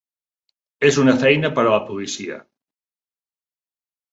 És una feina per a la policia!